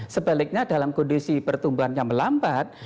sebaliknya dalam kondisi pertumbuhan yang melambat